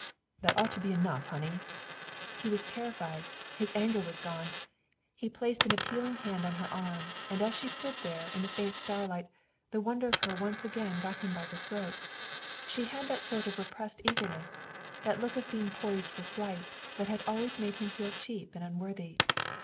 "That ought to be enough, honey." He was terrified. His anger was gone. He placed an appealing hand on her arm, and as she stood there in the faint starlight the wonder of her once again got him by the throat. She had that sort of repressed eagerness, that look of being poised for flight, that had always made him feel cheap and unworthy.